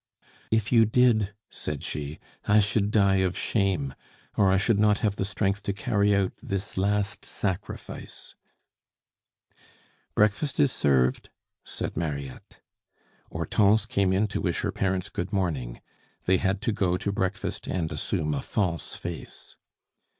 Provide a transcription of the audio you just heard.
"If you did," said she, "I should die of shame, or I should not have the strength to carry out this last sacrifice." "Breakfast is served," said Mariette. Hortense came in to wish her parents good morning. They had to go to breakfast and assume a false face.